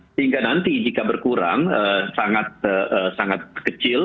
sehingga nanti jika berkurang sangat kecil